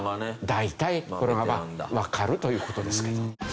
大体これがわかるという事ですけど。